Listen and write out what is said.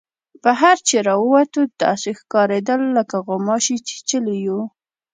بهر چې را ووتو داسې ښکارېدل لکه غوماشې چیچلي یو.